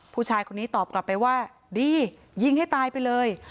ผู้ชายคนนี้ตอบกลับไปว่าดียิงให้ตายไปเลย